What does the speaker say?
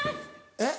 えっ？